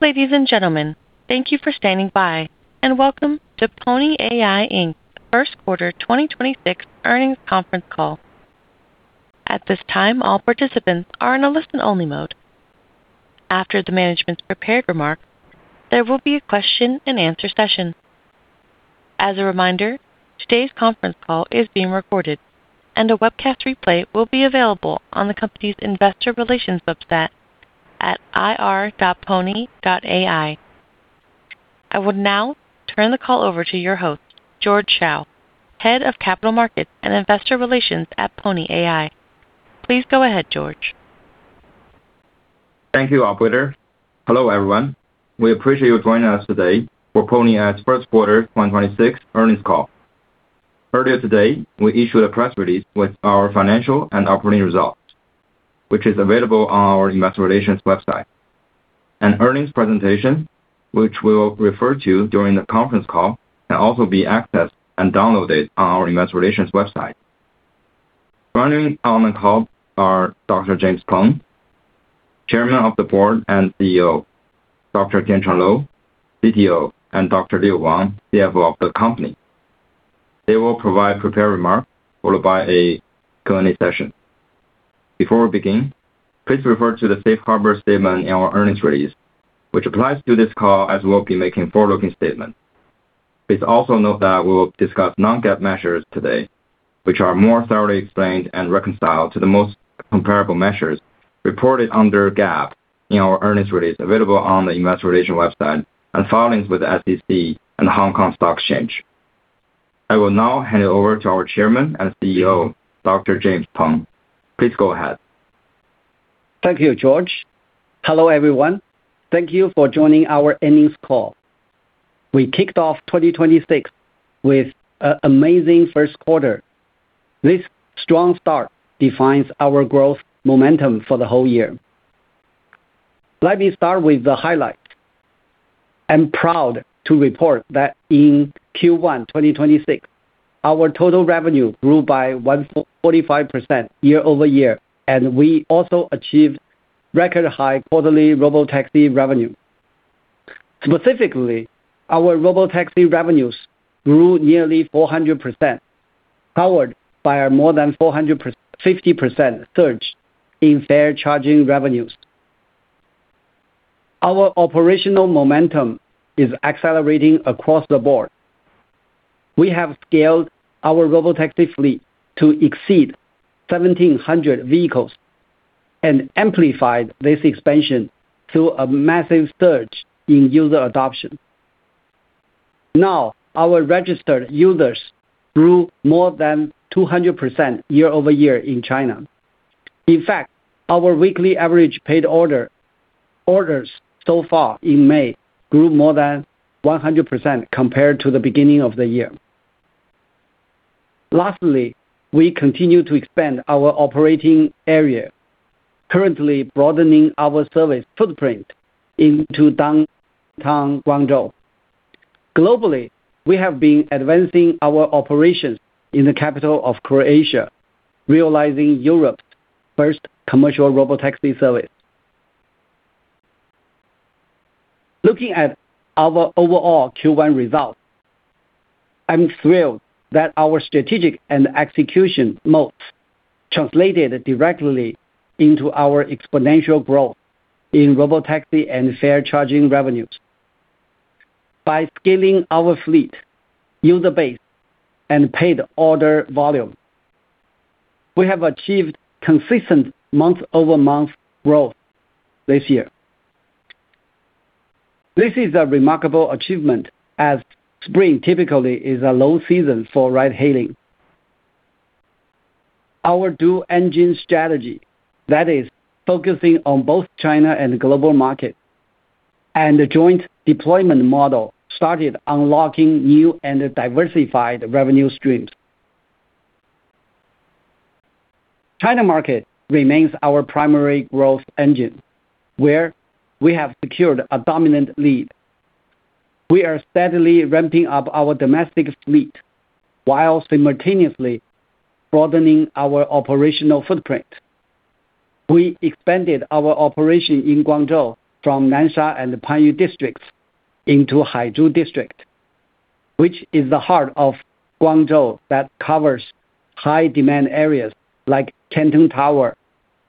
Ladies and gentlemen, thank you for standing by and welcome to Pony.ai Inc.'s first quarter 2026 earnings conference call. At this time, all participants are in a listen-only mode. After the management's prepared remarks, there will be a question and answer session. As a reminder, today's conference call is being recorded, and a webcast replay will be available on the company's investor relations website at ir.pony.ai. I would now turn the call over to your host, George Shao, Head of Capital Markets and Investor Relations at Pony.ai. Please go ahead, George. Thank you, operator. Hello, everyone. We appreciate you joining us today for Pony.ai's first quarter 2026 earnings call. Earlier today, we issued a press release with our financial and operating results, which is available on our investor relations website. An earnings presentation, which we'll refer to during the conference call, can also be accessed and downloaded on our investor relations website. Joining on the call are Dr. James Peng, Chairman of the Board and CEO, Dr. Tiancheng Lou, CTO, and Dr. Leo Wang, CFO of the company. They will provide prepared remarks, followed by a Q&A session. Before we begin, please refer to the safe harbor statement in our earnings release, which applies to this call, as we'll be making forward-looking statements. Please also note that we will discuss non-GAAP measures today, which are more thoroughly explained and reconciled to the most comparable measures reported under GAAP in our earnings release available on the investor relations website and filings with the SEC and the Hong Kong Stock Exchange. I will now hand it over to our Chairman and CEO, Dr. James Peng. Please go ahead. Thank you, George. Hello, everyone. Thank you for joining our earnings call. We kicked off 2026 with an amazing first quarter. This strong start defines our growth momentum for the whole year. Let me start with the highlights. I'm proud to report that in Q1 2026, our total revenue grew by 145% year-over-year, and we also achieved record high quarterly robotaxi revenue. Specifically, our robotaxi revenues grew nearly 400%, powered by a more than 50% surge in fare-charging revenues. Our operational momentum is accelerating across the board. We have scaled our robotaxi fleet to exceed 1,700 vehicles and amplified this expansion through a massive surge in user adoption. Now, our registered users grew more than 200% year-over-year in China. In fact, our weekly average paid orders so far in May grew more than 100% compared to the beginning of the year. Lastly, we continue to expand our operating area, currently broadening our service footprint into downtown Guangzhou. Globally, we have been advancing our operations in the capital of Croatia, realizing Europe's first commercial robotaxi service. Looking at our overall Q1 results, I'm thrilled that our strategic and execution moats translated directly into our exponential growth in robotaxi and fare-charging revenues. By scaling our fleet, user base, and paid order volume, we have achieved consistent month-over-month growth this year. This is a remarkable achievement, as spring typically is a low season for ride-hailing. Our dual-engine strategy, that is focusing on both China and global markets, and the joint deployment model started unlocking new and diversified revenue streams. China market remains our primary growth engine, where we have secured a dominant lead. We are steadily ramping up our domestic fleet while simultaneously broadening our operational footprint. We expanded our operation in Guangzhou from Nansha and Panyu districts into Haizhu District, which is the heart of Guangzhou that covers high-demand areas like Canton Tower,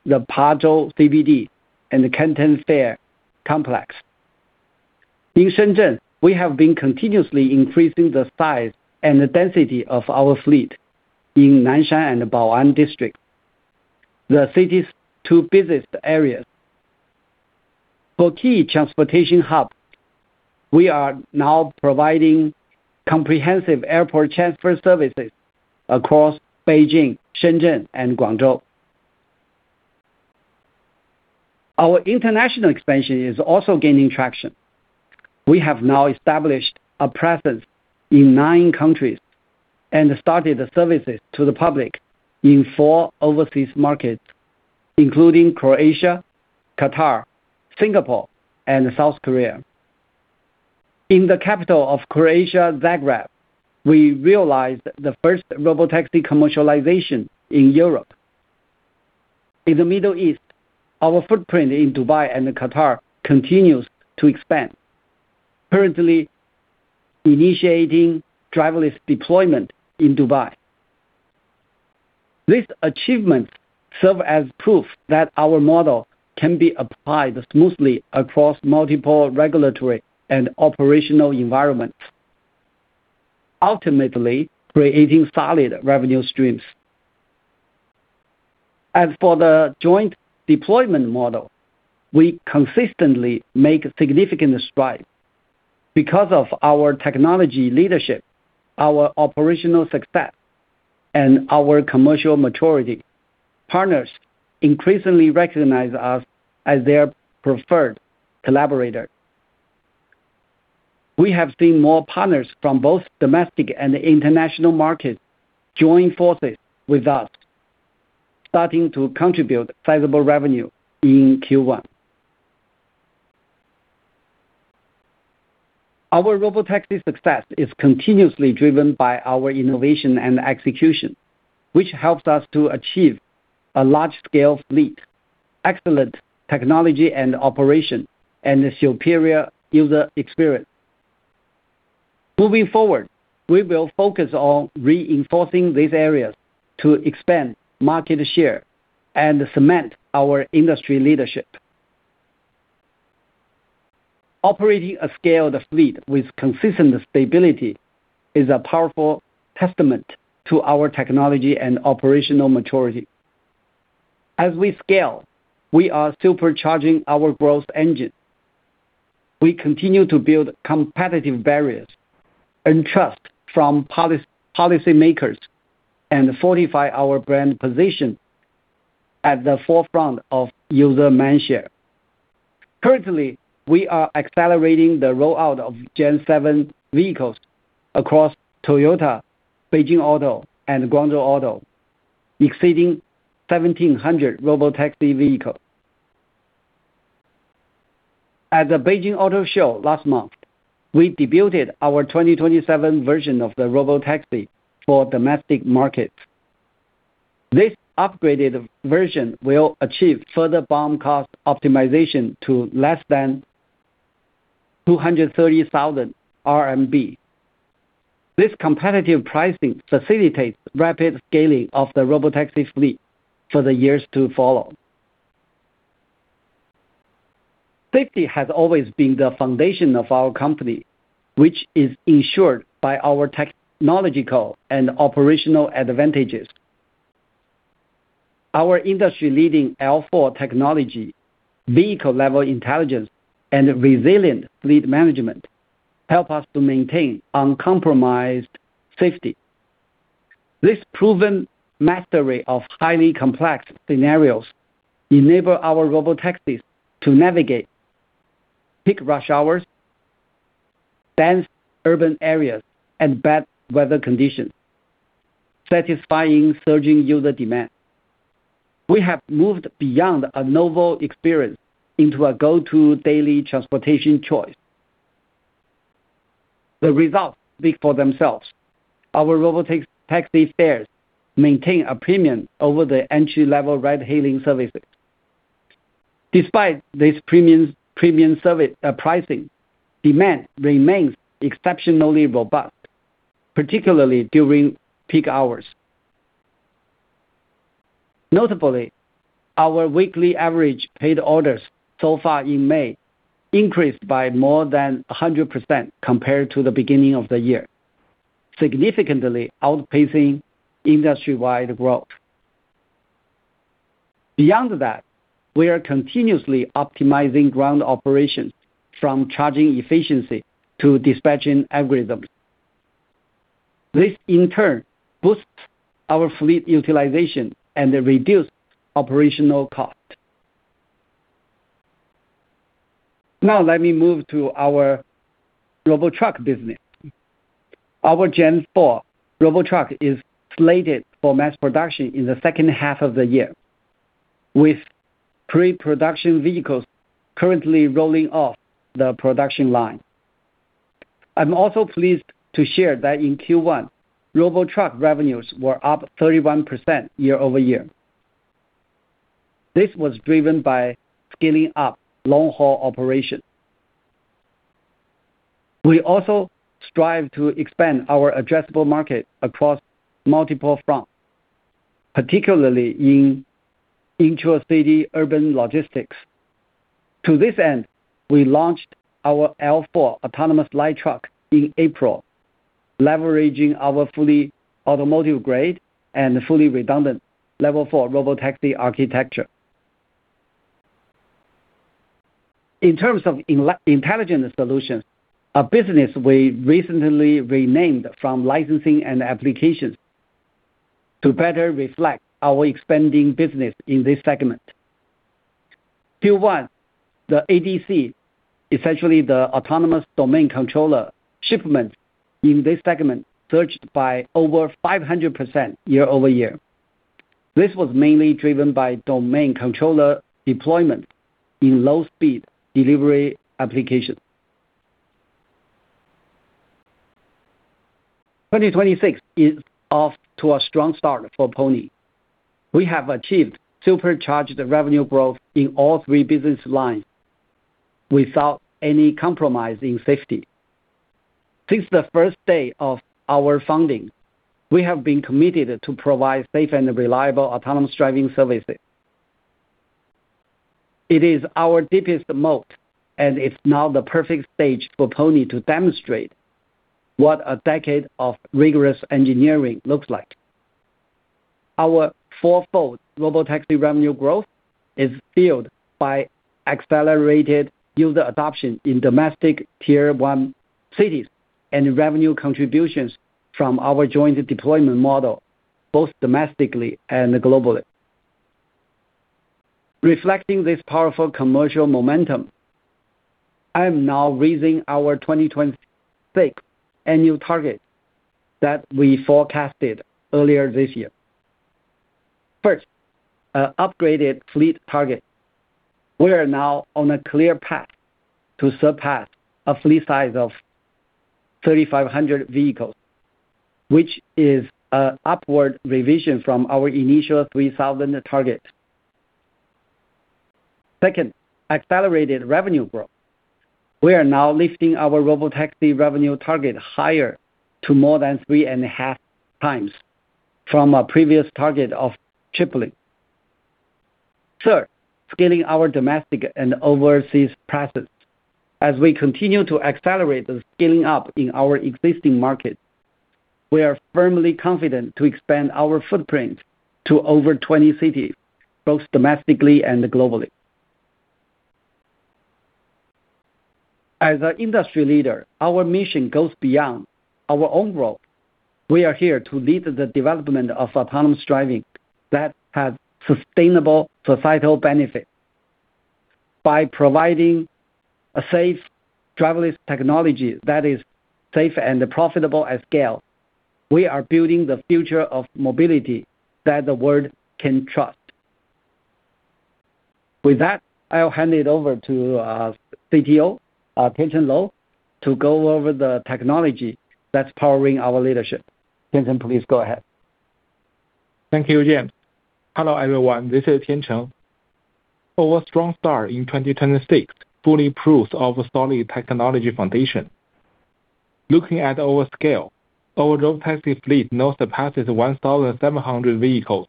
the Pazhou CBD, and the Canton Fair Complex. In Shenzhen, we have been continuously increasing the size and the density of our fleet in Nansha and Baoan District, the city's two busiest areas. For key transportation hubs, we are now providing comprehensive airport transfer services across Beijing, Shenzhen, and Guangzhou. Our international expansion is also gaining traction. We have now established a presence in nine countries and started services to the public in four overseas markets, including Croatia, Qatar, Singapore, and South Korea. In the capital of Croatia, Zagreb, we realized the first robotaxi commercialization in Europe. In the Middle East, our footprint in Dubai and Qatar continues to expand, currently initiating driverless deployment in Dubai. These achievements serve as proof that our model can be applied smoothly across multiple regulatory and operational environments, ultimately creating solid revenue streams. As for the joint deployment model, we consistently make significant strides. Because of our technology leadership, our operational success, and our commercial maturity, partners increasingly recognize us as their preferred collaborator. We have seen more partners from both domestic and international markets join forces with us, starting to contribute sizable revenue in Q1. Our robotaxi success is continuously driven by our innovation and execution, which helps us to achieve a large-scale fleet, excellent technology and operation, and a superior user experience. Moving forward, we will focus on reinforcing these areas to expand market share and cement our industry leadership. Operating a scaled fleet with consistent stability is a powerful testament to our technology and operational maturity. As we scale, we are supercharging our growth engine. We continue to build competitive barriers, earn trust from policymakers, and fortify our brand position at the forefront of user mindshare. Currently, we are accelerating the rollout of Gen-7 vehicles across Toyota, Beijing Auto, and Guangzhou Auto, exceeding 1,700 robotaxi vehicles. At the Beijing Auto Show last month, we debuted our 2027 version of the robotaxi for domestic markets. This upgraded version will achieve further BOM cost optimization to less than 230,000 RMB. This competitive pricing facilitates rapid scaling of the robotaxi fleet for the years to follow. Safety has always been the foundation of our company, which is ensured by our technological and operational advantages. Our industry-leading L4 technology, vehicle-level intelligence, and resilient fleet management help us to maintain uncompromised safety. This proven mastery of highly complex scenarios enables our robotaxis to navigate peak rush hours, dense urban areas, and bad weather conditions, satisfying surging user demand. We have moved beyond a novel experience into a go-to daily transportation choice. The results speak for themselves. Our robotaxi fares maintain a premium over the entry-level ride-hailing services. Despite this premium pricing, demand remains exceptionally robust, particularly during peak hours. Notably, our weekly average paid orders so far in May increased by more than 100% compared to the beginning of the year, significantly outpacing industry-wide growth. Beyond that, we are continuously optimizing ground operations from charging efficiency to dispatching algorithms. This, in turn, boosts our fleet utilization and reduces operational costs. Now let me move to our robotruck business. Our Gen-4 robotruck is slated for mass production in the second half of the year, with pre-production vehicles currently rolling off the production line. I'm also pleased to share that in Q1, robotruck revenues were up 31% year-over-year. This was driven by scaling up long-haul operations. We also strive to expand our addressable market across multiple fronts, particularly in intra-city urban logistics. To this end, we launched our L4 autonomous light truck in April, leveraging our fully automotive-grade and fully redundant Level 4 robotaxi architecture. In terms of intelligent solutions, a business we recently renamed from licensing and applications to better reflect our expanding business in this segment. Q1, the ADC, essentially the autonomous domain controller shipments in this segment surged by over 500% year-over-year. This was mainly driven by domain controller deployment in low-speed delivery applications. 2026 is off to a strong start for Pony. We have achieved supercharged revenue growth in all three business lines without any compromise in safety. Since the first day of our funding, we have been committed to provide safe and reliable autonomous driving services. It is our deepest moat, and it's now the perfect stage for Pony to demonstrate what a decade of rigorous engineering looks like. Our fourfold Robotaxi revenue growth is fueled by accelerated user adoption in domestic Tier 1 cities and revenue contributions from our joint deployment model, both domestically and globally. Reflecting this powerful commercial momentum, I'm now raising our 2026 annual target that we forecasted earlier this year. First, an upgraded fleet target. We are now on a clear path to surpass a fleet size of 3,500 vehicles, which is an upward revision from our initial 3,000 target. Second, accelerated revenue growth. We are now lifting our Robotaxi revenue target higher to more than 3.5x from our previous target of tripling. Third, scaling our domestic and overseas presence. As we continue to accelerate the scaling up in our existing markets, we are firmly confident to expand our footprint to over 20 cities, both domestically and globally. As an industry leader, our mission goes beyond our own growth. We are here to lead the development of autonomous driving that has sustainable societal benefits. By providing a safe driverless technology that is safe and profitable at scale, we are building the future of mobility that the world can trust. With that, I'll hand it over to our CTO, Tiancheng Lou, to go over the technology that's powering our leadership. Tiancheng, please go ahead. Thank you, James. Hello, everyone. This is Tiancheng. Our strong start in 2026 fully proves our solid technology foundation. Looking at our scale, our robotaxi fleet now surpasses 1,700 vehicles,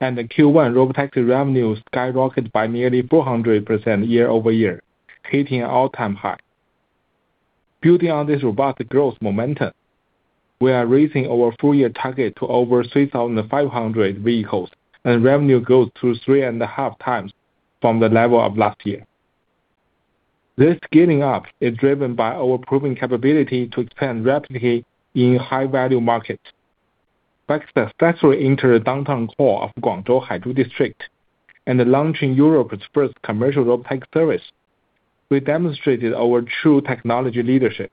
and the Q1 robotaxi revenue skyrocketed by nearly 400% year-over-year, hitting an all-time high. Building on this robust growth momentum, we are raising our full-year target to over 3,500 vehicles and revenue growth to 3.5x from the level of last year. This scaling up is driven by our proven capability to expand rapidly in high-value markets. By successfully entering the downtown core of Guangzhou Haizhu District and launching Europe's first commercial robotaxi service, we demonstrated our true technology leadership.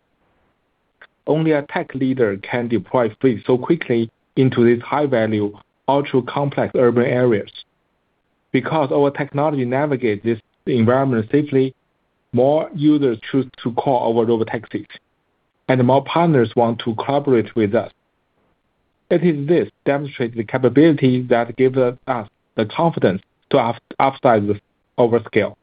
Only a tech leader can deploy fleet so quickly into these high-value, ultra-complex urban areas. Because our technology navigates this environment safely, more users choose to call our robotaxis, and more partners want to collaborate with us. It is this demonstrated capability that gives us the confidence to upsize our scale.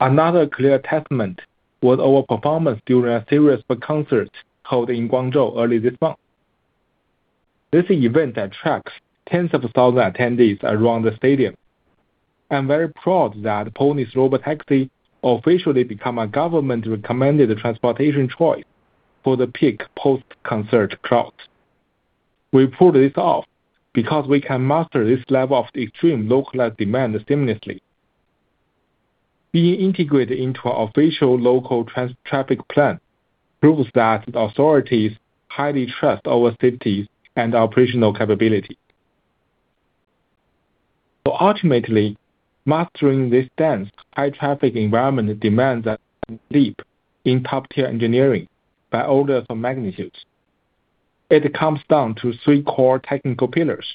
Another clear testament was our performance during a series of concerts held in Guangzhou early this month. This event attracted tens of thousand attendees around the stadium. I'm very proud that Pony's robotaxi officially became a government-recommended transportation choice for the peak post-concert crowds. We pulled this off because we can master this level of extreme localized demand seamlessly. Being integrated into an official local traffic plan proves that authorities highly trust our safety and operational capability. Ultimately, mastering this dense, high-traffic environment demands a leap in top-tier engineering by orders of magnitude. It comes down to three core technical pillars: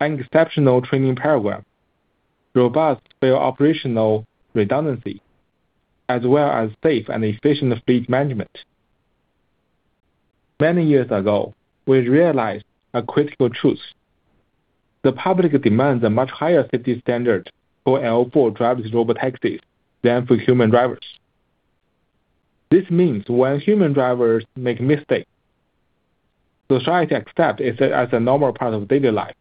an exceptional training paradigm, robust fail-operational redundancy, as well as safe and efficient fleet management. Many years ago, we realized a critical truth. The public demands a much higher safety standard for L4 driverless Robotaxis than for human drivers. This means when human drivers make mistakes, society accepts it as a normal part of daily life.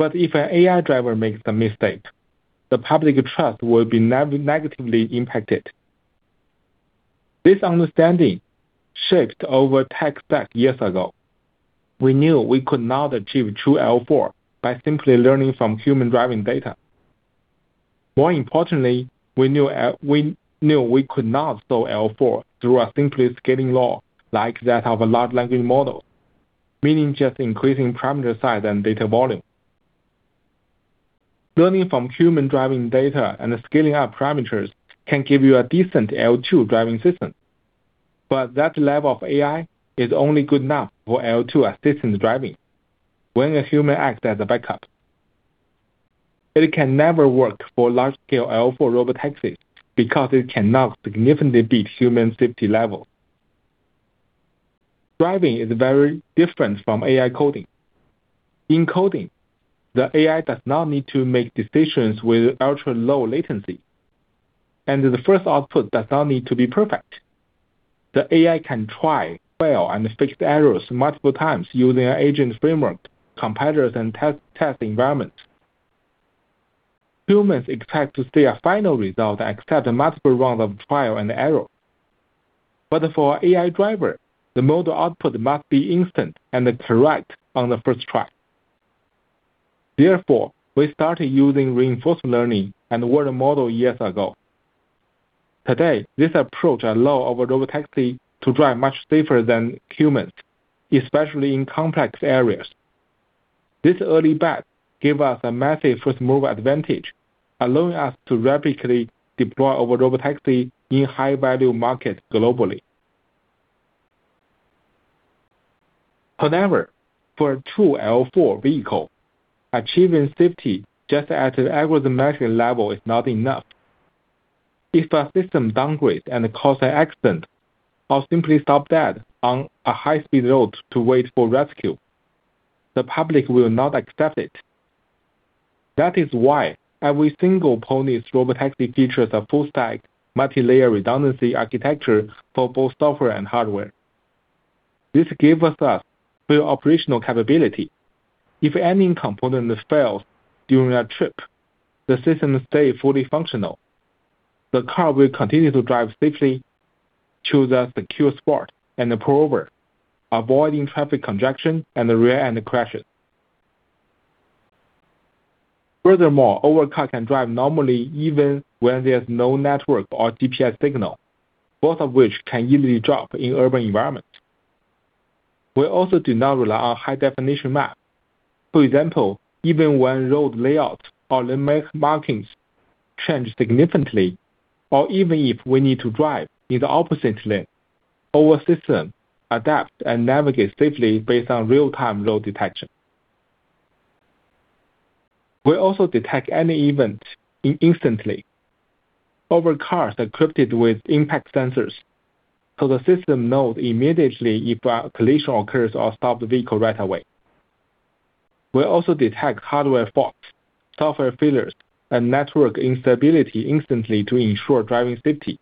If an AI driver makes a mistake, the public trust will be negatively impacted. This understanding shaped our tech stack years ago. We knew we could not achieve true L4 by simply learning from human driving data. More importantly, we knew we could not solve L4 through a simple scaling law like that of a large language model, meaning just increasing parameter size and data volume. Learning from human driving data and scaling up parameters can give you a decent L2 driving system. That level of AI is only good enough for L2 assistant driving when a human acts as a backup. It can never work for large-scale L4 robotaxis because it cannot significantly beat human safety level. Driving is very different from AI coding. In coding, the AI does not need to make decisions with ultra-low latency, and the first output does not need to be perfect. The AI can try, fail, and fix errors multiple times using an agent framework, competitors, and test environments. Humans expect to see a final result except multiple rounds of trial and error. For AI driver, the model output must be instant and correct on the first try. Therefore, we started using reinforcement learning and world model years ago. Today, this approach allows our robotaxi to drive much safer than humans, especially in complex areas. This early bet gave us a massive first-move advantage, allowing us to rapidly deploy our Robotaxi in high-value markets globally. However, for a true L4 vehicle, achieving safety just at the algorithmic level is not enough. If a system downgrades and causes an accident, or simply stops dead on a high-speed road to wait for rescue, the public will not accept it. That is why every single Pony's Robotaxi features a full-stack, multi-layer redundancy architecture for both software and hardware. This gives us fail-operational capability. If any component fails during a trip, the system stays fully functional. The car will continue to drive safely, choose a secure spot, and pull over, avoiding traffic congestion and rear-end crashes. Furthermore, our car can drive normally even when there's no network or GPS signal, both of which can easily drop in urban environments. We also do not rely on high-definition maps. For example, even when road layouts or lane markings change significantly, or even if we need to drive in the opposite lane, our system adapts and navigates safely based on real-time road detection. We also detect any event instantly. Our car is equipped with impact sensors, so the system knows immediately if a collision occurs or stops the vehicle right away. We also detect hardware faults, software failures, and network instability instantly to ensure driving safety.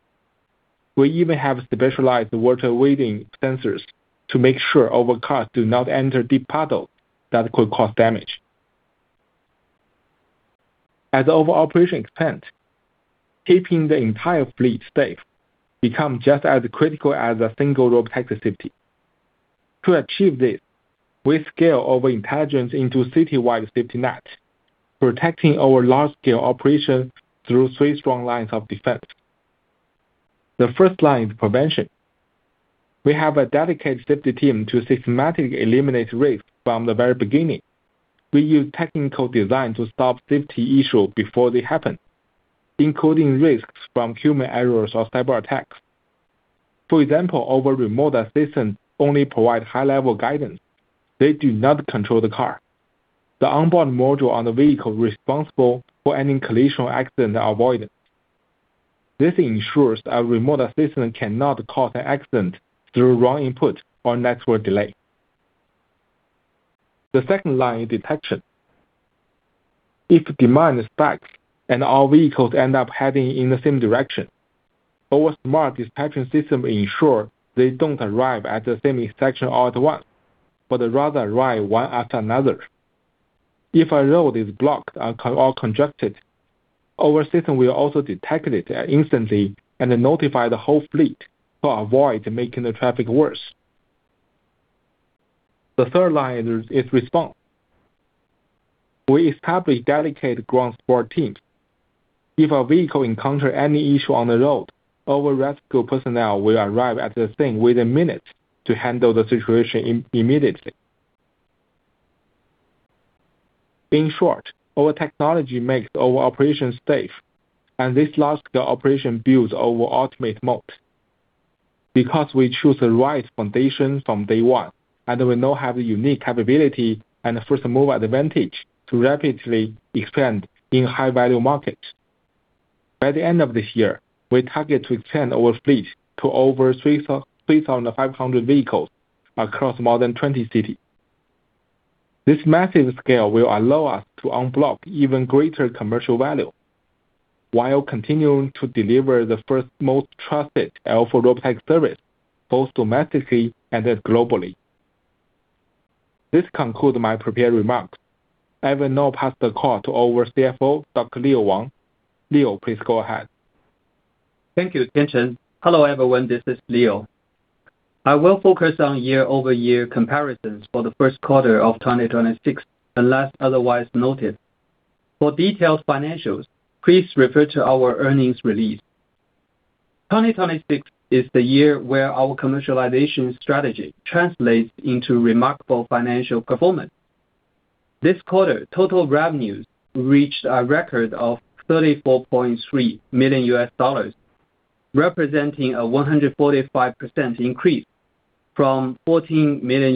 We even have specialized water-wading sensors to make sure our cars do not enter deep puddles that could cause damage. At our operation extent, keeping the entire fleet safe becomes just as critical as a single robotaxi's safety. To achieve this, we scale our intelligence into city-wide safety net, protecting our large-scale operation through three strong lines of defense. The first line is prevention. We have a dedicated safety team to systematically eliminate risks from the very beginning. We use technical design to stop safety issues before they happen, including risks from human errors or cyber attacks. For example, our remote assistance only provides high-level guidance. They do not control the car. The onboard module on the vehicle is responsible for any collision or accident avoidance. This ensures our remote assistant cannot cause an accident through wrong input or network delay. The second line is detection. If demand spikes and our vehicles end up heading in the same direction, our smart detection system ensures they don't arrive at the same intersection all at once, but rather arrive one after another. If a road is blocked or congested, our system will also detect it instantly and notify the whole fleet to avoid making the traffic worse. The third line is response. We establish dedicated ground support teams. If a vehicle encounters any issue on the road, our rescue personnel will arrive at the scene within minutes to handle the situation immediately. In short, our technology makes our operations safe, and this large-scale operation builds our ultimate moat. Because we chose the right foundation from day one, and we now have a unique capability and a first-move advantage to rapidly expand in high-value markets. By the end of this year, we target to expand our fleet to over 3,500 vehicles across more than 20 cities. This massive scale will allow us to unblock even greater commercial value while continuing to deliver the world's most trusted L4 robotaxi service, both domestically and globally. This concludes my prepared remarks. I will now pass the call to our CFO, Dr. Leo Wang. Leo, please go ahead. Thank you, Tiancheng. Hello, everyone. This is Leo. I will focus on year-over-year comparisons for the first quarter of 2026, unless otherwise noted. For detailed financials, please refer to our earnings release. 2026 is the year where our commercialization strategy translates into remarkable financial performance. This quarter, total revenues reached a record of $34.3 million, representing a 145% increase from $14 million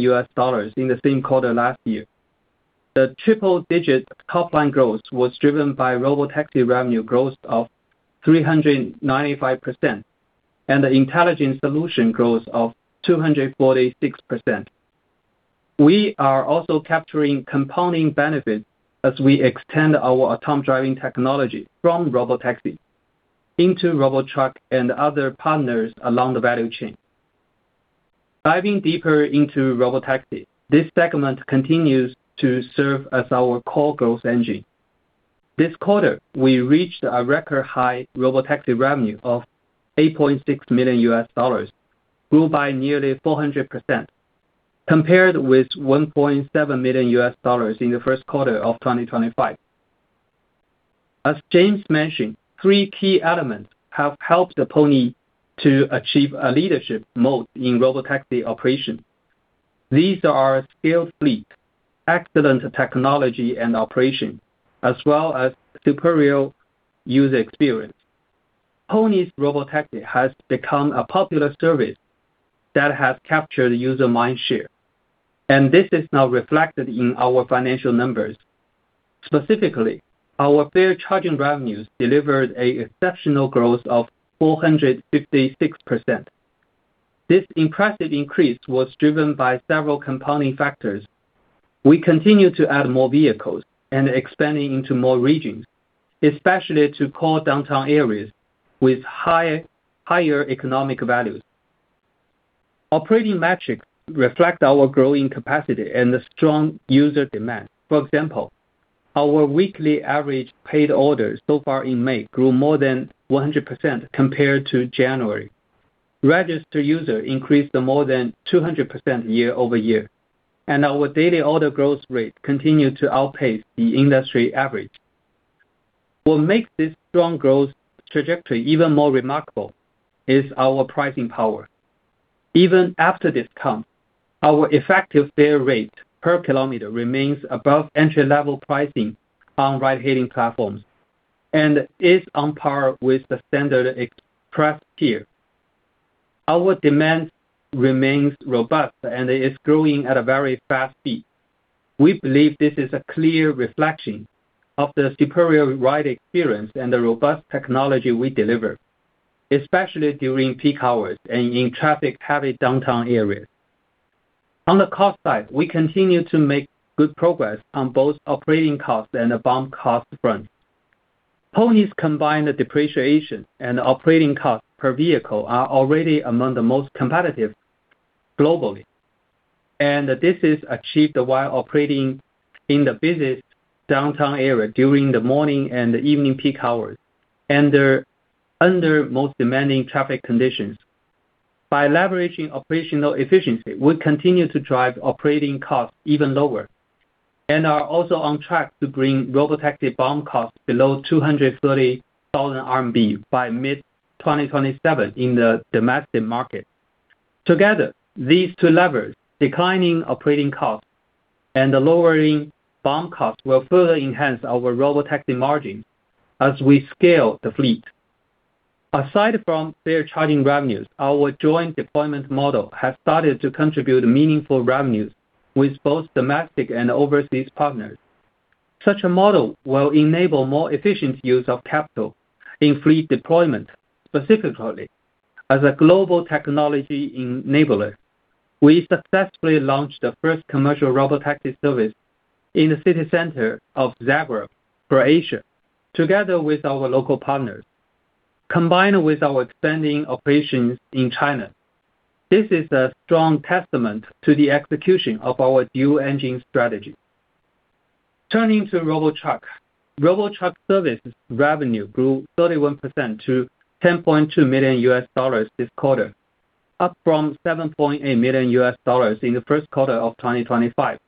in the same quarter last year. The triple-digit top-line growth was driven by Robotaxi revenue growth of 395% and the intelligent solution growth of 246%. We are also capturing compounding benefits as we extend our autonomous driving technology from Robotaxi into robotruck and other partners along the value chain. Diving deeper into Robotaxi, this segment continues to serve as our core growth engine. This quarter, we reached a record high Robotaxi revenue of $8.6 million, grew by nearly 400%, compared with $1.7 million in the first quarter of 2025. As James mentioned, three key elements have helped Pony to achieve a leadership moat in robotaxi operation. These are scaled fleet, excellent technology and operation, as well as superior user experience. Pony's robotaxi has become a popular service that has captured user mindshare, and this is now reflected in our financial numbers. Specifically, our fare charging revenues delivered exceptional growth of 456%. This impressive increase was driven by several compounding factors. We continue to add more vehicles and expanding into more regions, especially to core downtown areas with higher economic values. Operating metrics reflect our growing capacity and the strong user demand. For example, our weekly average paid orders so far in May grew more than 100% compared to January. Registered users increased more than 200% year-over-year, and our daily order growth rate continued to outpace the industry average. What makes this strong growth trajectory even more remarkable is our pricing power. Even after discount, our effective fare rate per kilometer remains above entry-level pricing on ride-hailing platforms and is on par with the standard Express tier. Our demand remains robust and is growing at a very fast speed. We believe this is a clear reflection of the superior ride experience and the robust technology we deliver, especially during peak hours and in traffic-heavy downtown areas. On the cost side, we continue to make good progress on both operating costs and the BOM cost front. Pony's combined depreciation and operating costs per vehicle are already among the most competitive globally, and this is achieved while operating in the busy downtown area during the morning and evening peak hours, and under most demanding traffic conditions. By leveraging operational efficiency, we continue to drive operating costs even lower and are also on track to bring Robotaxi BOM costs below 230,000 RMB by mid-2027 in the domestic market. Together, these two levers, declining operating costs and the lowering BOM costs, will further enhance our Robotaxi margin as we scale the fleet. Aside from fare charging revenues, our joint deployment model has started to contribute meaningful revenues with both domestic and overseas partners. Such a model will enable more efficient use of capital in fleet deployment. Specifically, as a global technology enabler, we successfully launched the first commercial Robotaxi service in the city center of Zagreb, Croatia, together with our local partners. Combined with our expanding operations in China, this is a strong testament to the execution of our dual-engine strategy. Turning to Robotruck. Robotruck service revenue grew 31% to $10.2 million this quarter, up from $7.8 million in the first quarter of 2025.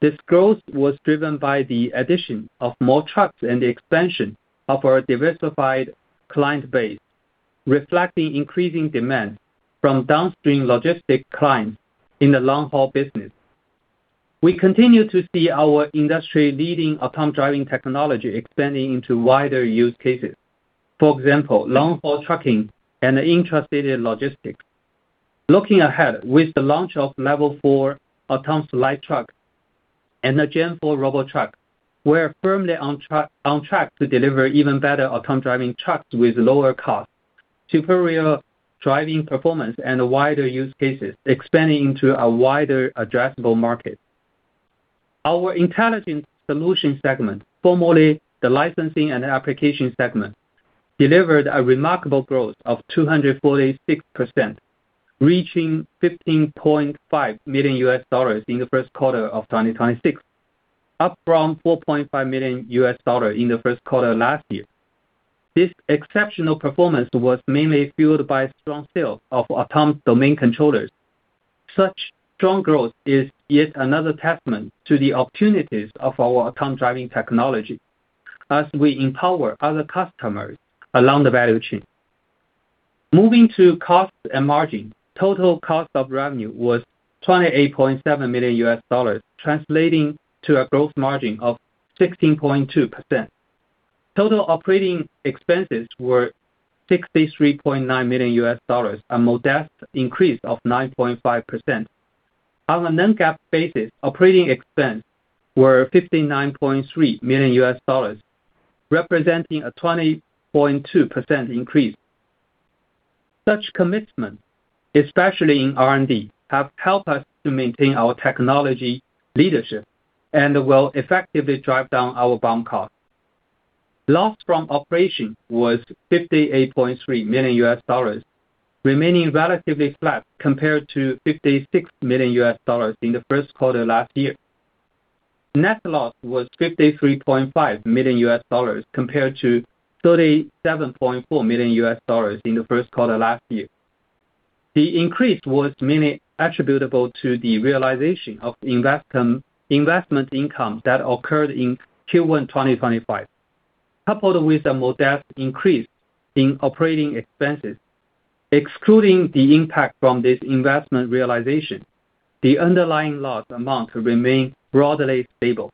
This growth was driven by the addition of more trucks and the expansion of our diversified client base, reflecting increasing demand from downstream logistic clients in the long-haul business. We continue to see our industry-leading autonomous driving technology expanding into wider use cases. For example, long-haul trucking and intrastate logistics. Looking ahead, with the launch of Level 4 autonomous light truck and the Gen-4 robotruck, we're firmly on track to deliver even better autonomous driving trucks with lower cost, superior driving performance, and wider use cases expanding into a wider addressable market. Our Intelligent Solution Segment, formerly the Licensing and Application Segment, delivered a remarkable growth of 246%, reaching $15.5 million in the first quarter of 2026, up from $4.5 million in the first quarter last year. This exceptional performance was mainly fueled by strong sales of autonomous domain controllers. Such strong growth is yet another testament to the opportunities of our autonomous driving technology as we empower other customers along the value chain. Moving to costs and margin, total cost of revenue was $28.7 million, translating to a gross margin of 16.2%. Total operating expenses were $63.9 million, a modest increase of 9.5%. On a non-GAAP basis, operating expenses were $59.3 million, representing a 20.2% increase. Such commitment, especially in R&D, have helped us to maintain our technology leadership and will effectively drive down our BOM cost. Loss from operation was $58.3 million, remaining relatively flat compared to $56 million in the first quarter last year. Net loss was $53.5 million compared to $37.4 million in the first quarter last year. The increase was mainly attributable to the realization of investment income that occurred in Q1 2025, coupled with a modest increase in operating expenses. Excluding the impact from this investment realization, the underlying loss amount remained broadly stable.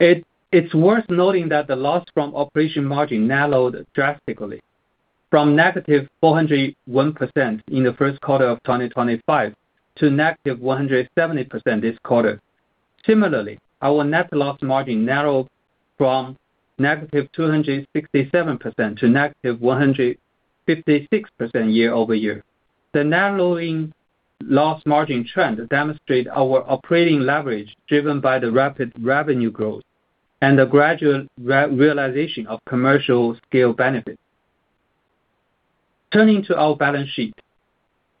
It's worth noting that the loss from operation margin narrowed drastically from -401% in the first quarter of 2025 to -170% this quarter. Similarly, our net loss margin narrowed from -267% to -156% year-over-year. The narrowing loss margin trend demonstrate our operating leverage driven by the rapid revenue growth and the gradual realization of commercial scale benefits. Turning to our balance sheet,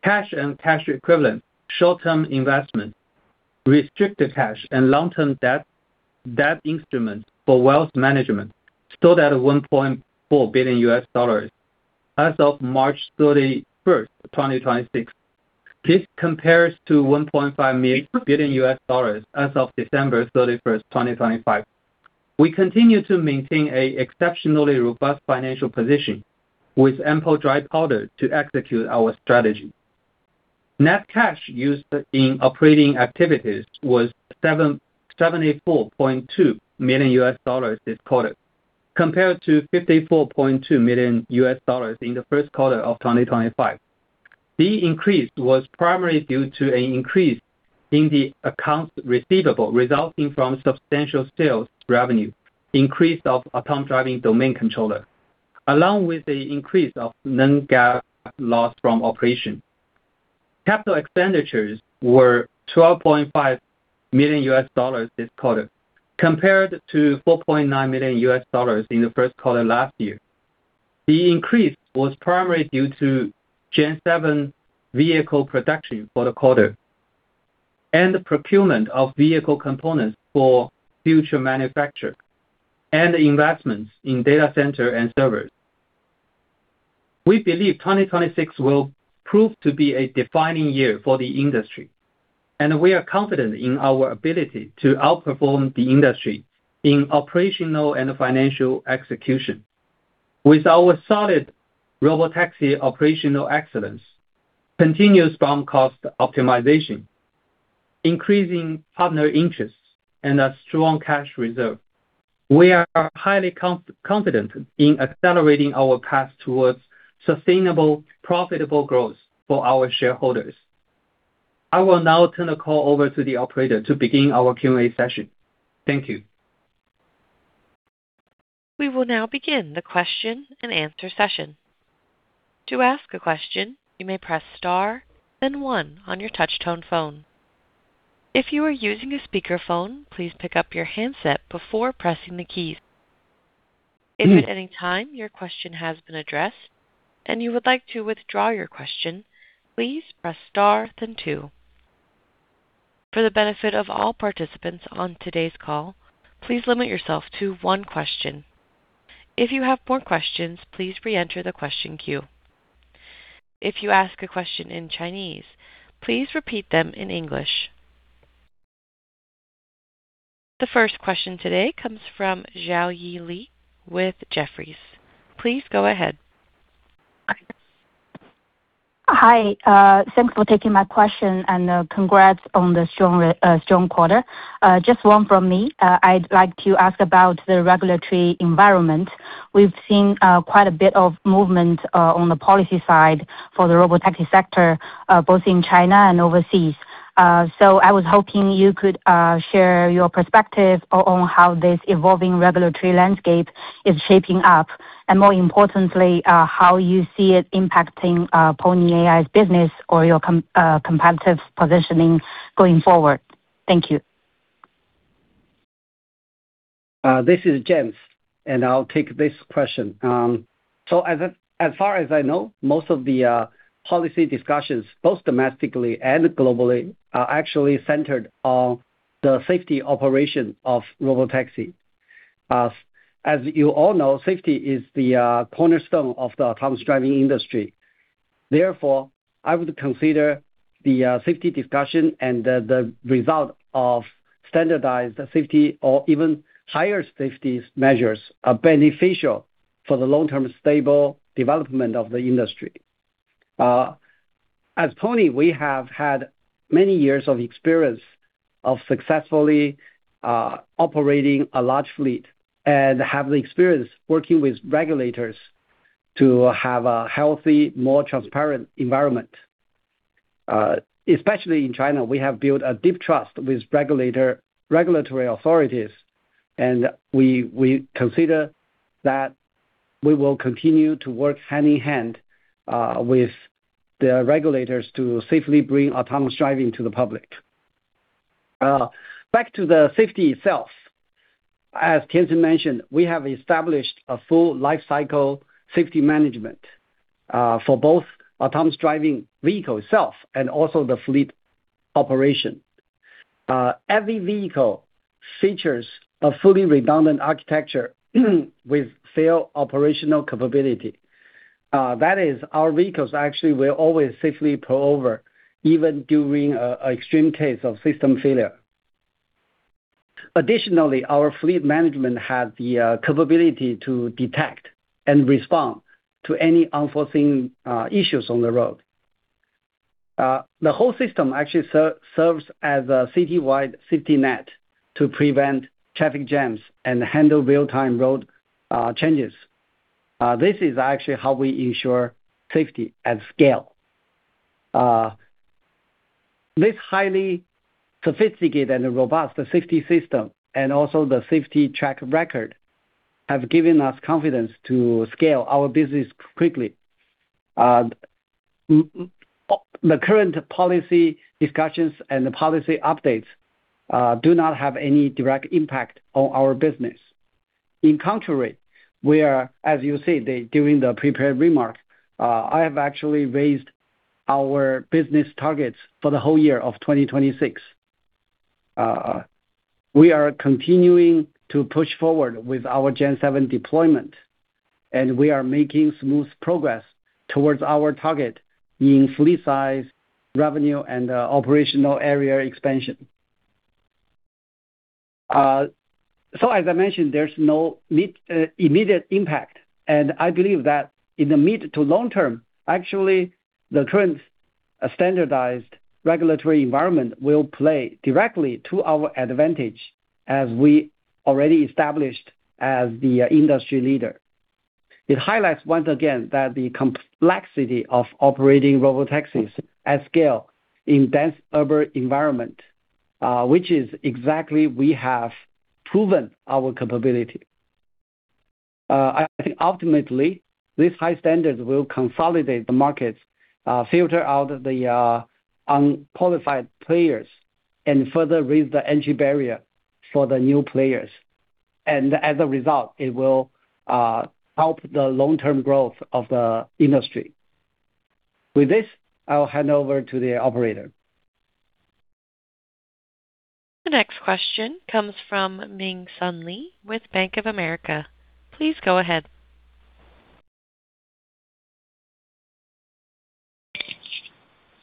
cash and cash equivalents, short-term investments, restricted cash, and long-term debt instruments for wealth management stood at $1.4 billion as of March 31st, 2026. This compares to $1.5 billion as of December 31st, 2025. We continue to maintain a exceptionally robust financial position with ample dry powder to execute our strategy. Net cash used in operating activities was $74.2 million this quarter, compared to $54.2 million in the first quarter of 2025. The increase was primarily due to an increase in the accounts receivable, resulting from substantial sales revenue, increase of autonomous domain controller, along with an increase of non-GAAP loss from operation. Capital expenditures were $12.5 million this quarter, compared to $4.9 million in the first quarter last year. The increase was primarily due to Gen-7 vehicle production for the quarter, and the procurement of vehicle components for future manufacture, and investments in data center and servers. We believe 2026 will prove to be a defining year for the industry, and we are confident in our ability to outperform the industry in operational and financial execution. With our solid Robotaxi operational excellence, continuous BOM cost optimization, increasing partner interest, and a strong cash reserve, we are highly confident in accelerating our path towards sustainable, profitable growth for our shareholders. I will now turn the call over to the operator to begin our Q&A session. Thank you. The first question today comes from Xiaoyi Lei with Jefferies. Please go ahead. Hi. Thanks for taking my question, and congrats on the strong quarter. Just one from me. I'd like to ask about the regulatory environment. We've seen quite a bit of movement on the policy side for the Robotaxi sector, both in China and overseas. I was hoping you could share your perspective on how this evolving regulatory landscape is shaping up, and more importantly, how you see it impacting Pony.ai's business or your competitive positioning going forward. Thank you. This is James. I'll take this question. As far as I know, most of the policy discussions, both domestically and globally, are actually centered on the safety operation of Robotaxi. As you all know, safety is the cornerstone of the autonomous driving industry. Therefore, I would consider the safety discussion and the result of standardized safety or even higher safety measures are beneficial for the long-term stable development of the industry. At Pony, we have had many years of experience of successfully operating a large fleet and have the experience working with regulators to have a healthy, more transparent environment. Especially in China, we have built a deep trust with regulatory authorities, and we consider that we will continue to work hand in hand with the regulators to safely bring autonomous driving to the public. Back to the safety itself, as Tiancheng mentioned, we have established a full life cycle safety management, for both autonomous driving vehicle itself and also the fleet operation. Every vehicle features a fully redundant architecture with fail-operational capability. That is, our vehicles actually will always safely pull over, even during an extreme case of system failure. Additionally, our fleet management has the capability to detect and respond to any unforeseen issues on the road. The whole system actually serves as a citywide safety net to prevent traffic jams and handle real-time road changes. This is actually how we ensure safety at scale. This highly sophisticated and robust safety system, and also the safety track record, have given us confidence to scale our business quickly. The current policy discussions and the policy updates do not have any direct impact on our business. In contrary, we are, as you see during the prepared remarks, I have actually raised our business targets for the whole year of 2026. We are continuing to push forward with our Gen-7 deployment, and we are making smooth progress towards our target in fleet size, revenue, and operational area expansion. As I mentioned, there's no immediate impact, and I believe that in the mid to long term, actually, the current standardized regulatory environment will play directly to our advantage, as we already established as the industry leader. It highlights once again that the complexity of operating robotaxis at scale in dense urban environment, which is exactly we have proven our capability. I think ultimately, these high standards will consolidate the markets, filter out the unqualified players, and further raise the entry barrier for the new players. As a result, it will help the long-term growth of the industry. With this, I'll hand over to the operator. The next question comes from Ming Hsun Lee with Bank of America. Please go ahead.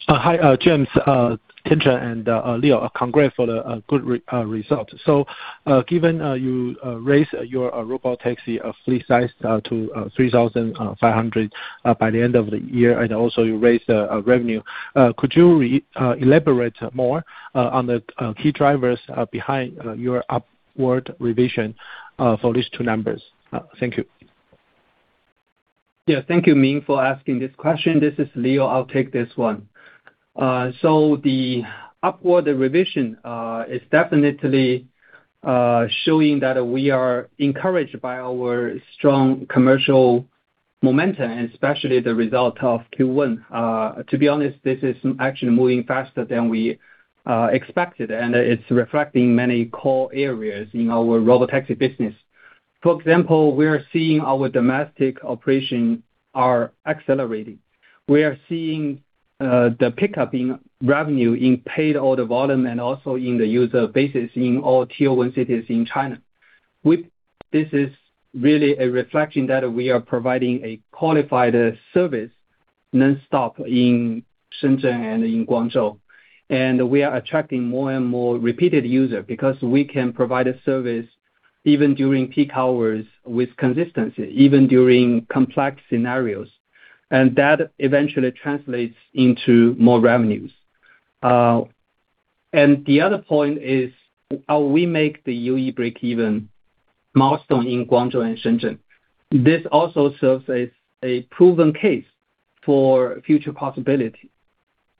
Hi, James, Tiancheng, and Leo. Congrats for the good results. Given you raised your Robotaxi fleet size to 3,500 by the end of the year, and also you raised revenue, could you elaborate more on the key drivers behind your upward revision for these two numbers? Thank you. Yeah. Thank you, Ming, for asking this question. This is Leo. I will take this one. The upward revision is definitely showing that we are encouraged by our strong commercial momentum, and especially the result of Q1. To be honest, this is actually moving faster than we expected, and it is reflecting many core areas in our Robotaxi business. For example, we are seeing our domestic operations are accelerating. We are seeing the pickup in revenue in paid order volume and also in the user basis in all Tier 1 cities in China. This is really a reflection that we are providing a qualified service nonstop in Shenzhen and in Guangzhou. We are attracting more and more repeated user because we can provide a service even during peak hours with consistency, even during complex scenarios. That eventually translates into more revenues. The other point is how we make the UE breakeven milestone in Guangzhou and Shenzhen. This also serves as a proven case for future possibility.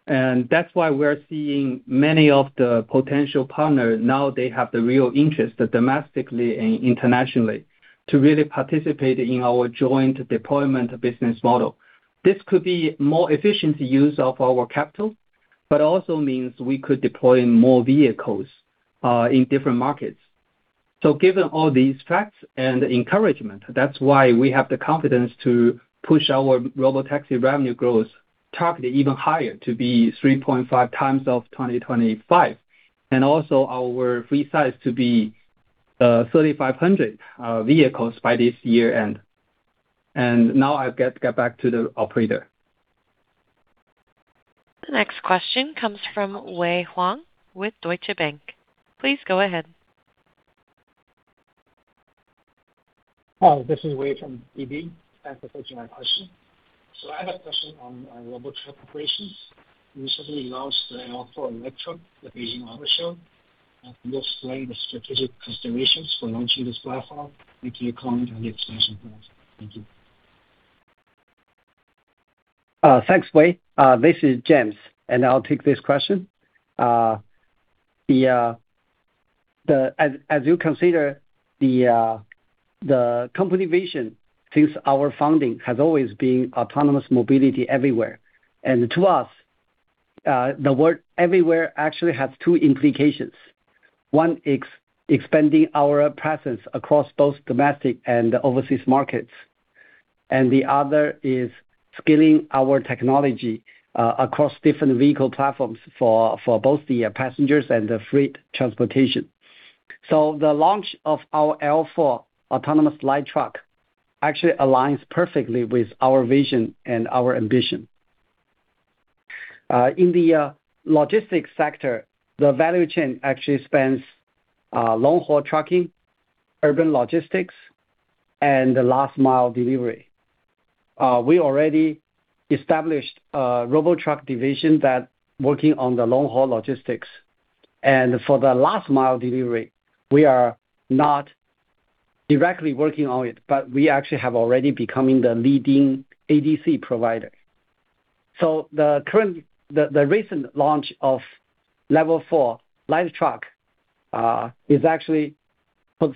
That's why we're seeing many of the potential partners now they have the real interest, domestically and internationally, to really participate in our joint deployment business model. This could be more efficient use of our capital, but also means we could deploy more vehicles in different markets. Given all these facts and encouragement, that's why we have the confidence to push our robotaxi revenue growth Target even higher to be 3.5x of 2025, our fleet size to be 3,500 vehicles by this year end. Now I'll get back to the operator. The next question comes from Wei Huang with Deutsche Bank. Please go ahead. Hi, this is Wei from DB. Thanks for taking my question. I have a question on robot truck operations. You recently launched the L4 electric at Beijing auto show. Can you explain the strategic considerations for launching this platform? Can you comment on the expansion plans? Thank you. Thanks, Wei. This is James. I'll take this question. As you consider the company vision, since our founding has always been autonomous mobility everywhere. To us, the word "everywhere" actually has two implications. One, expanding our presence across both domestic and overseas markets. The other is scaling our technology across different vehicle platforms for both the passengers and the freight transportation. The launch of our L4 autonomous light truck actually aligns perfectly with our vision and our ambition. In the logistics sector, the value chain actually spans long-haul trucking, urban logistics, and the last-mile delivery. We already established a robo truck division that working on the long-haul logistics. For the last mile delivery, we are not directly working on it, but we actually have already becoming the leading ADC provider. The recent launch of level 4 light truck is actually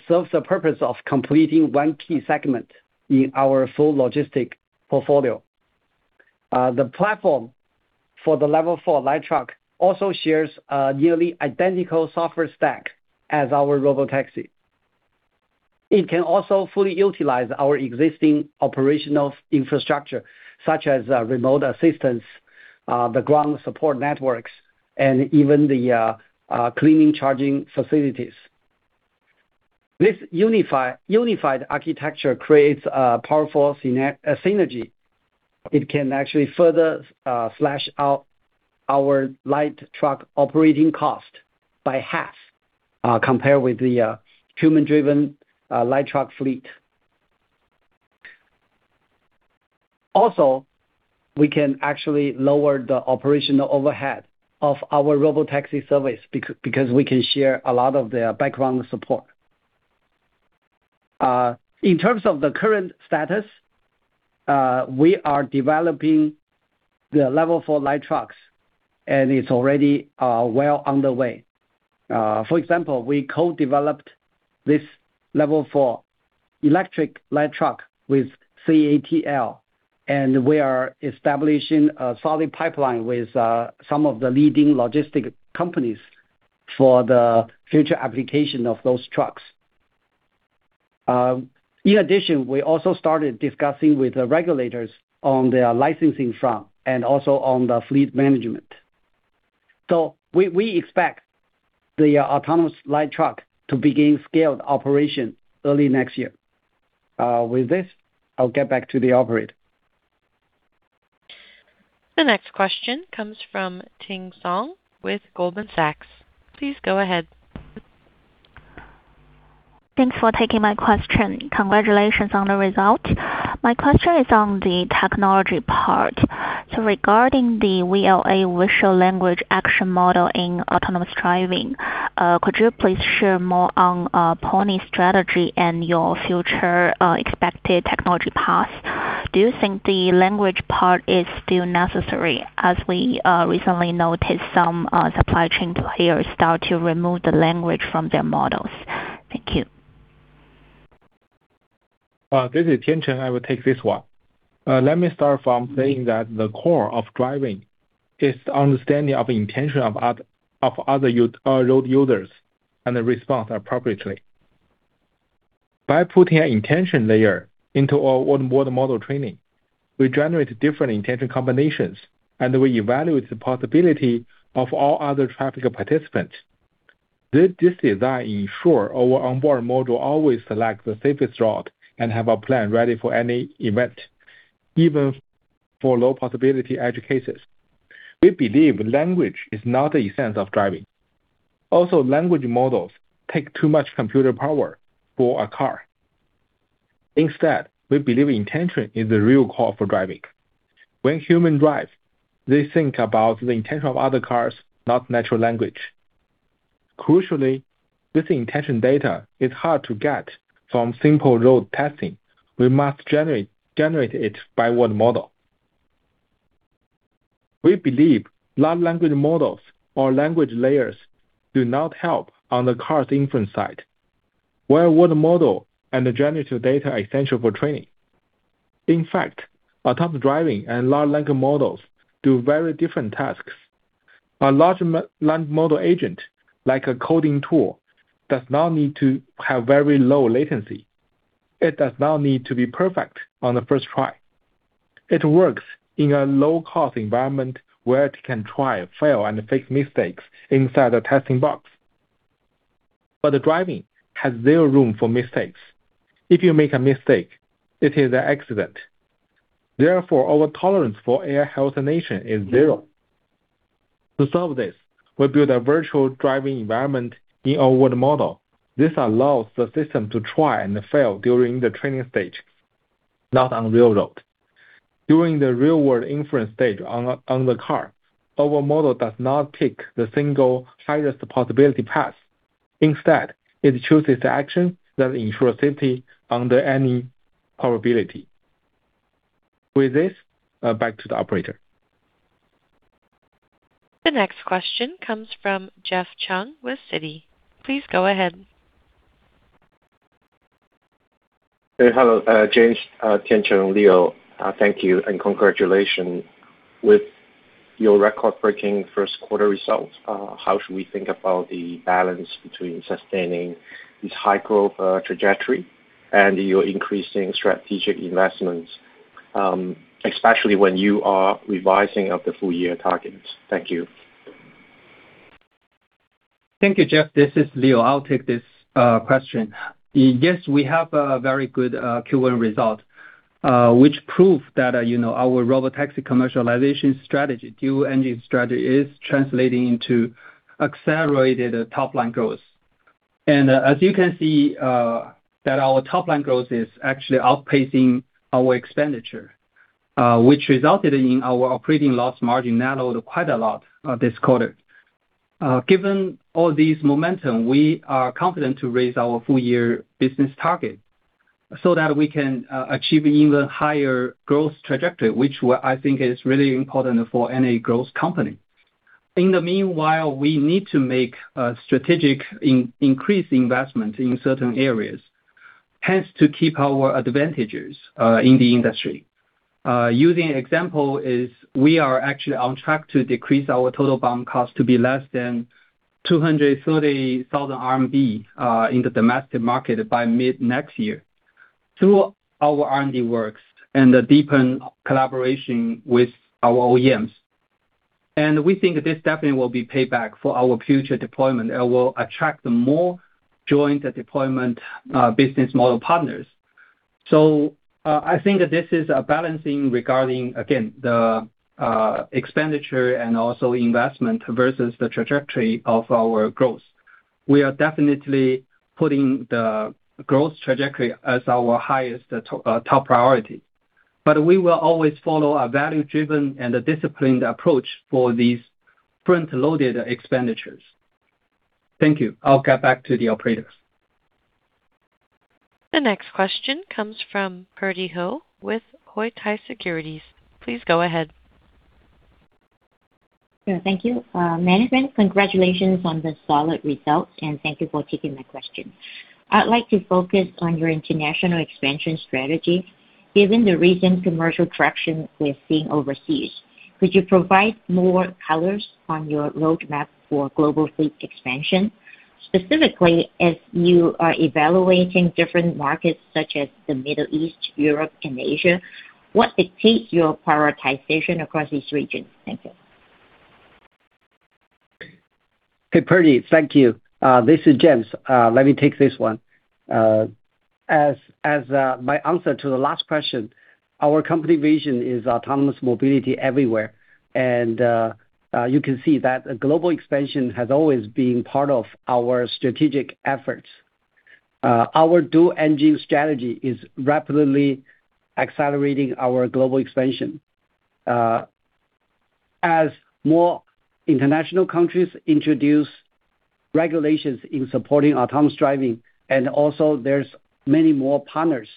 serves the purpose of completing one key segment in our full logistic portfolio. The platform for the level 4 light truck also shares a nearly identical software stack as our Robotaxi. It can also fully utilize our existing operational infrastructure, such as remote assistance, the ground support networks, and even the cleaning charging facilities. This unified architecture creates a powerful synergy. It can actually further slash out our light truck operating cost by half, compare with the human-driven light truck fleet. Also, we can actually lower the operational overhead of our Robotaxi service because we can share a lot of the background support. In terms of the current status, we are developing the level 4 light trucks, and it's already well underway. For example, we co-developed this level 4 electric light truck with CATL. We are establishing a solid pipeline with some of the leading logistic companies for the future application of those trucks. In addition, we also started discussing with the regulators on the licensing front and also on the fleet management. We expect the autonomous light truck to begin scaled operation early next year. With this, I'll get back to the operator. The next question comes from Ting Song with Goldman Sachs. Please go ahead. Thanks for taking my question. Congratulations on the result. My question is on the technology part. Regarding the VLA, Vision-Language-Action model in autonomous driving, could you please share more on Pony's strategy and your future expected technology path? Do you think the language part is still necessary, as we recently noticed some supply chain players start to remove the language from their models. Thank you. This is Tiancheng. I will take this one. Let me start from saying that the core of driving is the understanding of intention of other road users and the response appropriately. By putting an intention layer into our onboard model training, we generate different intention combinations, and we evaluate the possibility of all other traffic participants. This design ensure our onboard model always select the safest route and have a plan ready for any event, even for low possibility edge cases. We believe language is not the essence of driving. Also, language models take too much computer power for a car. Instead, we believe intention is the real core for driving. When human drive, they think about the intention of other cars, not natural language. Crucially, this intention data is hard to get from simple road testing. We must generate it by one model. We believe large language models or language layers do not help on the car's inference side, where one model and the generative data essential for training. In fact, autonomous driving and large language models do very different tasks. A large model agent, like a coding tool, does not need to have very low latency. It does not need to be perfect on the first try. It works in a low-cost environment where it can try, fail, and fix mistakes inside a testing box. Driving has zero room for mistakes. If you make a mistake, it is an accident. Therefore, our tolerance for error alternation is zero. To solve this, we built a virtual driving environment in our world model. This allows the system to try and fail during the training stage, not on the real road. During the real-world inference stage on the car, our model does not pick the single highest possibility path. Instead, it chooses the action that ensures safety under any probability. With this, back to the operator. The next question comes from Jeff Chung with Citi. Please go ahead. Hey, hello. James, Tiancheng, Leo, thank you, and congratulations with your record-breaking first quarter results. How should we think about the balance between sustaining this high-growth trajectory and your increasing strategic investments, especially when you are revising of the full-year targets? Thank you. Thank you, Jeff. This is Leo. I'll take this question. We have a very good Q1 result, which proves that our robotaxi commercialization strategy, dual engine strategy, is translating into accelerated top-line growth. As you can see, that our top-line growth is actually outpacing our expenditure, which resulted in our operating loss margin narrowed quite a lot this quarter. Given all this momentum, we are confident to raise our full-year business target so that we can achieve an even higher growth trajectory, which I think is really important for any growth company. In the meanwhile, we need to make strategic increased investment in certain areas, hence to keep our advantages in the industry. Using an example is we are actually on track to decrease our total BOM cost to be less than 230,000 RMB in the domestic market by mid-next year through our R&D works and the deepened collaboration with our OEMs. We think this definitely will be payback for our future deployment and will attract more joint deployment business model partners. I think that this is a balancing regarding, again, the expenditure and also investment versus the trajectory of our growth. We are definitely putting the growth trajectory as our highest top priority. We will always follow a value-driven and a disciplined approach for these front-loaded expenditures. Thank you. I'll get back to the operators. The next question comes from Purdy Ho with Huatai Securities. Please go ahead. Yeah. Thank you. Management, congratulations on the solid results, and thank you for taking my question. I'd like to focus on your international expansion strategy, given the recent commercial traction we're seeing overseas. Could you provide more colors on your roadmap for global fleet expansion? Specifically, as you are evaluating different markets such as the Middle East, Europe, and Asia, what dictates your prioritization across these regions? Thank you. Hey, Purdy. Thank you. This is James. Let me take this one. As my answer to the last question, our company vision is autonomous mobility everywhere. You can see that global expansion has always been part of our strategic efforts. Our dual engine strategy is rapidly accelerating our global expansion. As more international countries introduce regulations in supporting autonomous driving and also there's many more partners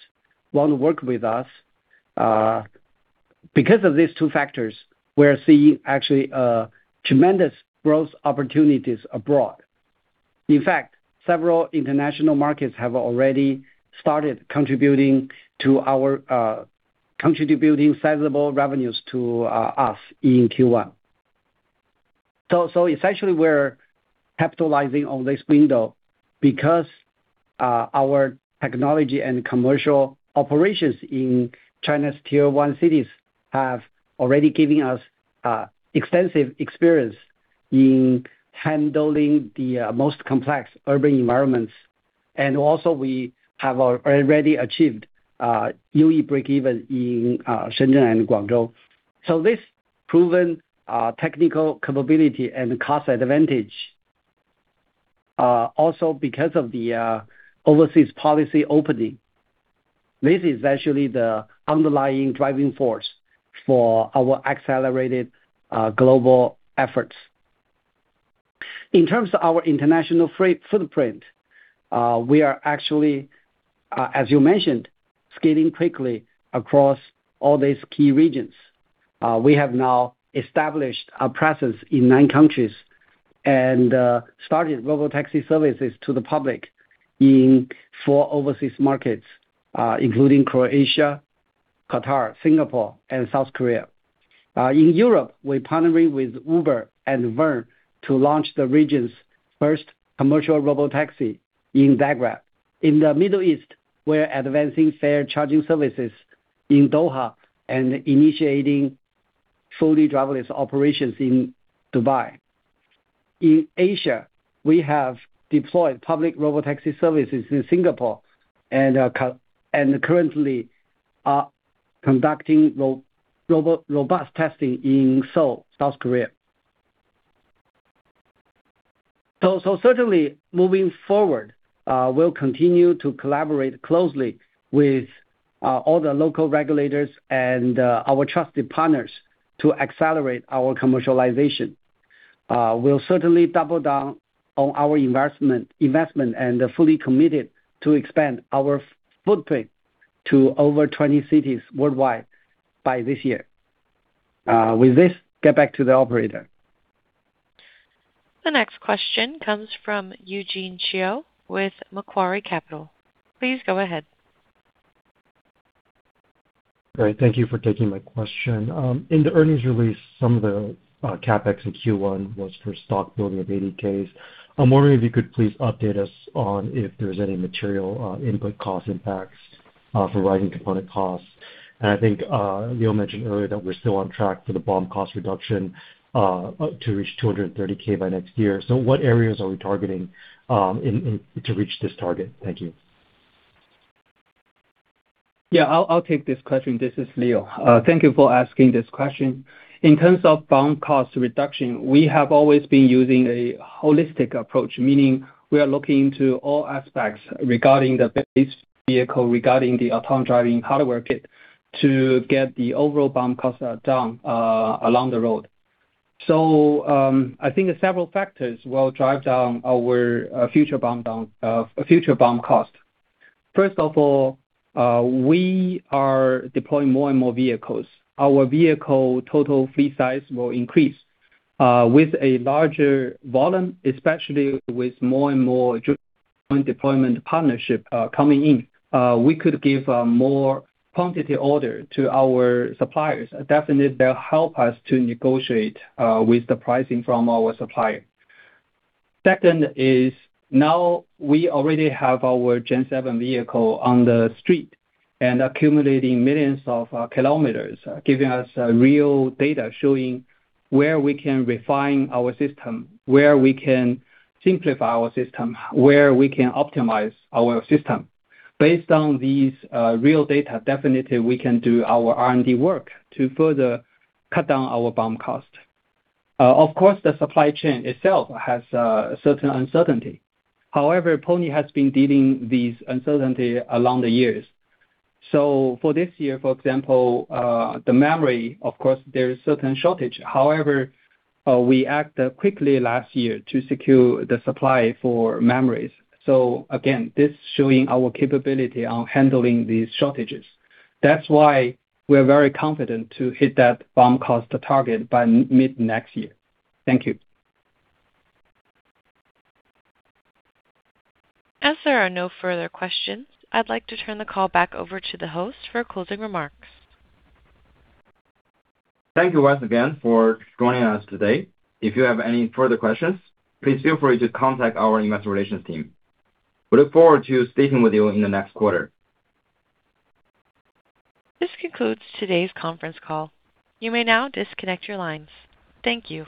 want to work with us. Because of these two factors, we're seeing actually tremendous growth opportunities abroad. In fact, several international markets have already started contributing sizable revenues to us in Q1. Essentially, we're capitalizing on this window because our technology and commercial operations in China's Tier 1 cities have already given us extensive experience in handling the most complex urban environments, and also we have already achieved unit breakeven in Shenzhen and Guangzhou. This proven technical capability and cost advantage, also because of the overseas policy opening, this is actually the underlying driving force for our accelerated global efforts. In terms of our international footprint, we are actually, as you mentioned, scaling quickly across all these key regions. We have now established a presence in nine countries and started robotaxi services to the public in four overseas markets, including Croatia. Qatar, Singapore, and South Korea. In Europe, we partnered with Uber and Verne to launch the region's first commercial robotaxi in Zagreb. In the Middle East, we're advancing fare charging services in Doha and initiating fully driverless operations in Dubai. In Asia, we have deployed public robotaxi services in Singapore, and currently are conducting robust testing in Seoul, South Korea. Certainly, moving forward, we'll continue to collaborate closely with all the local regulators and our trusted partners to accelerate our commercialization. We'll certainly double down on our investment, and are fully committed to expand our footprint to over 20 cities worldwide by this year. With this, get back to the operator. The next question comes from Eugene Chiu with Macquarie Capital. Please go ahead. Great. Thank you for taking my question. In the earnings release, some of the CapEx in Q1 was for stock building of ADCs. I'm wondering if you could please update us on if there's any material input cost impacts for rising component costs. I think Leo mentioned earlier that we're still on track for the BOM cost reduction to reach 230,000 by next year. What areas are we targeting to reach this target? Thank you. Yeah, I'll take this question. This is Leo. Thank you for asking this question. In terms of BOM cost reduction, we have always been using a holistic approach, meaning we are looking into all aspects regarding the base vehicle, regarding the autonomous driving hardware kit, to get the overall BOM cost down along the road. I think several factors will drive down our future BOM cost. First of all, we are deploying more and more vehicles. Our vehicle total fleet size will increase. With a larger volume, especially with more and more deployment partnership coming in, we could give a more quantity order to our suppliers. Definitely, they'll help us to negotiate with the pricing from our suppliers. Second is now we already have our Gen-7 vehicle on the street and accumulating millions of kilometers, giving us real data, showing where we can refine our system, where we can simplify our system, where we can optimize our system. Based on these real data, definitely we can do our R&D work to further cut down our BOM cost. Of course, the supply chain itself has certain uncertainty. Pony has been dealing these uncertainty along the years. For this year, for example, the memory, of course, there is certain shortage. We acted quickly last year to secure the supply for memories. Again, this showing our capability on handling these shortages. That's why we're very confident to hit that BOM cost target by mid-next year. Thank you. As there are no further questions, I'd like to turn the call back over to the host for closing remarks. Thank you once again for joining us today. If you have any further questions, please feel free to contact our investor relations team. We look forward to speaking with you in the next quarter. This concludes today's conference call. You may now disconnect your lines. Thank you.